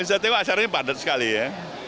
saya tengok acaranya padat sekali ya